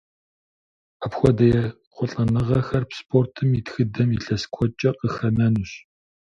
Апхуэдэ ехъулӏэныгъэхэр спортым и тхыдэм илъэс куэдкӏэ къыхэнэнущ.